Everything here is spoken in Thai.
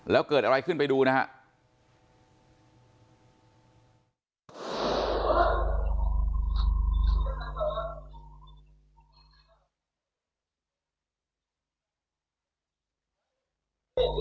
แล้วเกิดอะไรขึ้นไปดูนะครับ